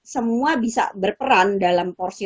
semua bisa berperan dalam porsi